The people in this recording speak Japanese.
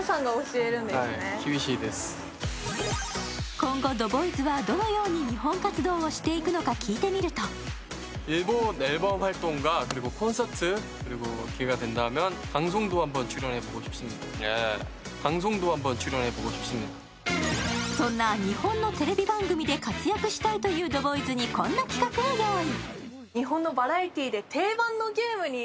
今後、ＴＨＥＢＯＹＳはどのように日本活動をしていくのか聞いてみるとそんな日本のテレビ番組で活躍したいというＴＨＥＢＯＹＳにこんな企画を用意。